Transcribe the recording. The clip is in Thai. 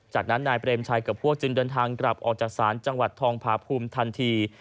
จากนั้นนายเปรมชัยกับพวกจึงเดินทางกลับออกจากศาลจังหวัดทองผาภูมิทันที